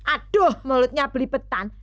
aduh mulutnya belipetan